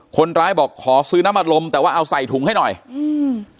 คนร้ายบอกขอซื้อน้ำอารมณ์แต่ว่าเอาใส่ถุงให้หน่อยอืม